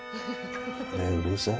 ねえ、うるさい？